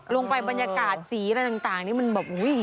บรรยากาศสีอะไรต่างนี่มันแบบอุ้ย